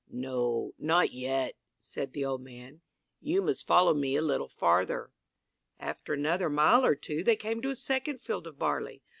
"No, not yet," said the old man. "You must follow me a little farther." After another mile or two they came to a second field of barley.